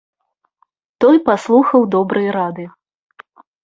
Той паслухаў добрай рады.